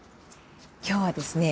今日はですね